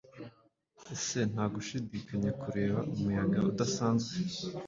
Ese ntagushidikanya kureba umuyaga udasanzwe?